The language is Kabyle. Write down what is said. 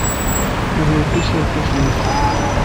Yuba yekkes irkasen-nnes.